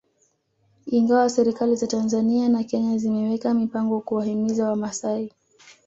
Ingawa serikali za Tanzania na Kenya zimeweka mipango kuwahimiza Wamasai